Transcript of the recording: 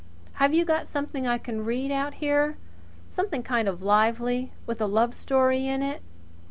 Have you got something I can read out here something kind of lively with a love story in it?"